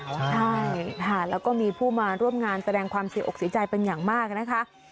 ใช่ค่ะแล้วก็มีผู้มาร่วมงานแสดงความเสียอกเสียใจเป็นอย่างมากนะคะ